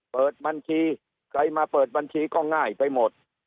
เปิดบัญชีใครมาเปิดบัญชีก็ง่ายไปหมด